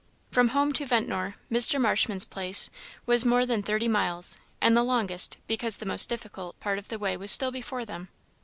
From home to Ventnor, Mr. Marshman's place, was more than thirty miles, and the longest, because the most difficult, part of the way was still before them.